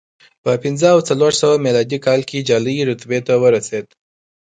په پنځه او څلور سوه میلادي کال کې جالۍ رتبې ته ورسېد